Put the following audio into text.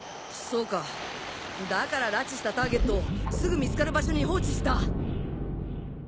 そうかだから拉致したターゲットをすぐ見つかる場所に放置した。